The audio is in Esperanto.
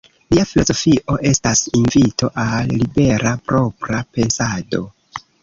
Lia filozofio estas invito al libera, propra, pensado.